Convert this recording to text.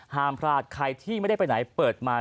ห้ามพลาดใครที่ไม่ได้ไปไหนเปิดมา